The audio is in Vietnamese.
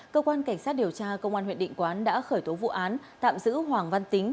cơ quan cảnh sát điều tra công an huyện định quán đã khởi tố vụ án tạm giữ hoàng văn tính